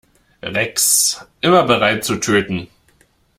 Rex, immer bereit zu töten.